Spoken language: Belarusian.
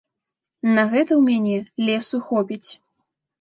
На гэта ў мяне лесу хопіць.